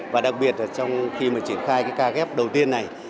và đặc biệt là trong khi mà triển khai cái ca ghép đầu tiên này